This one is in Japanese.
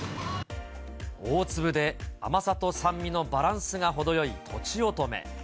大粒で甘さと酸味のバランスが程よいとちおとめ。